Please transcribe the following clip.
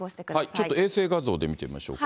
ちょっと衛星画像で見てみましょうか。